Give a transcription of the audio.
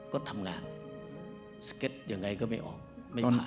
ก็ทำงานสเก็ตยังไงก็ไม่ออกไม่ผ่าน